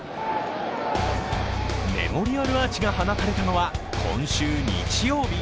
メモリアルアーチが放たれたのは今週日曜日。